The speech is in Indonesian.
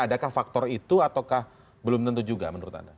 adakah faktor itu ataukah belum tentu juga menurut anda